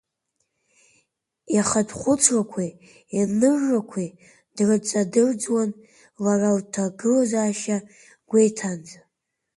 Ихатә хәыцрақәеи иныррақәеи дрыҵадырӡуан, лара лҭагылазаашьа гәеиҭаанӡа.